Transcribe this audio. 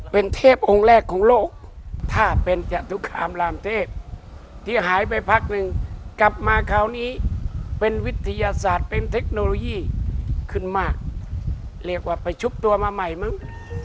เป็นเทพองค์แรกของโลกถ้าเป็นจตุคามรามเทพที่หายไปพักหนึ่งกลับมาคราวนี้เป็นวิทยาศาสตร์เป็นเทคโนโลยีขึ้นมากเรียกว่าไปชุบตัวมาใหม่มั้ง